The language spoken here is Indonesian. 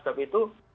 tetapi itu ada